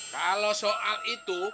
kalau soal itu